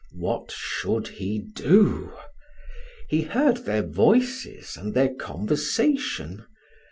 What should he do? He heard their voices and their conversation.